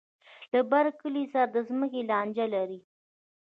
له بر کلي سره د ځمکې لانجه لري.